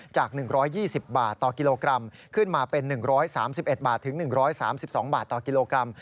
จาก๑๒๐บาทต่อกิโลกรัมขึ้นมาเป็น๑๓๑บาทถึง๑๓๒บาทต่อกิโลกรัม